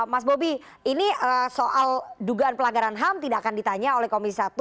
mas bobi ini soal dugaan pelanggaran ham tidak akan ditanya oleh komisi satu